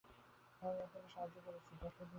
আমি আপনাকে আহত করেছি-কষ্ট দিয়েছি।